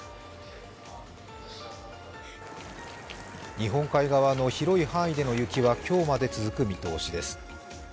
日本海側の広い範囲での雪は今日まで続く見通しです。